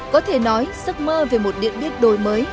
có thể nói giấc mơ về một điện biên đổi mới